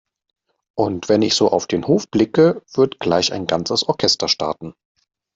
Und wenn ich so auf den Hof blicke, wird gleich ein ganzes Orchester starten.